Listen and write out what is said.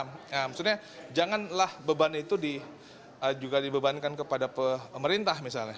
maksudnya janganlah beban itu juga dibebankan kepada pemerintah misalnya